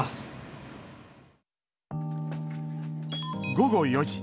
午後４時。